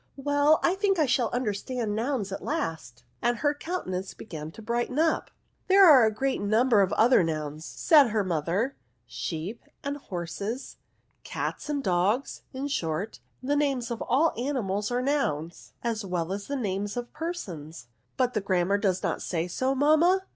Well, I think I shall understand nouns at last ;" and her counte nance began to brighten up. " There are a great number of other nouns, said her mother. '' Sheep and horses, cats and dogs, in short, the names of all animals are nouns, as well as the names of persons." " But the Grammar does not say so, mamma